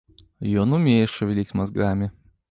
Ён умее шавяліць мазгамі.